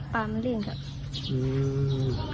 ปลามันลื่นครับ